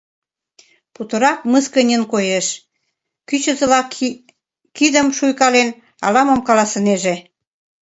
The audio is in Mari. Путырак мыскыньын коеш, кӱчызыла кидым шуйкален, ала-мом каласынеже.